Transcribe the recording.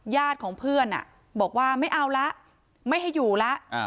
ของเพื่อนบอกว่าไม่เอาละไม่ให้อยู่แล้ว